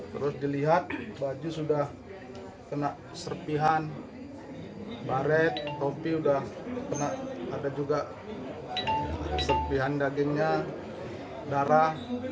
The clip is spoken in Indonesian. terus dilihat baju sudah kena serpihan baret topi sudah kena ada juga serpihan dagingnya darah